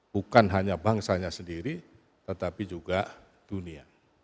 bukan hanya bangsanya sendiri tetapi juga dunia